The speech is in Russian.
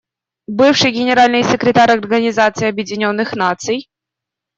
Бывший Генеральный секретарь Организации Объединенных Наций.